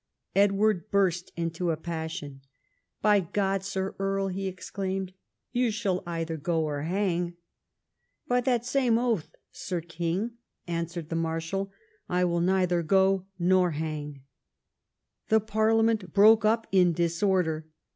Edward burst into a passion. "By God, Sir Earl," he ex claimed, " you shall either go or hang." —" By that same oath. Sir King," answered the Marshal, " I will neither go nor hang." The parliament broke up in disorder.